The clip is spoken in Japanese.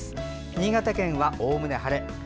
新潟県はおおむね晴れでしょう。